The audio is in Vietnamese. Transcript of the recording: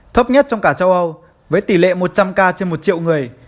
thấp nhất trong cả châu âu với tỷ lệ một trăm linh ca trên một triệu người